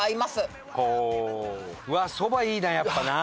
うわっそばいいなやっぱな。